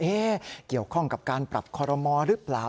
เกี่ยวข้องกับการปรับคอรมอหรือเปล่า